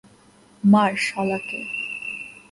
মার, শালাকে!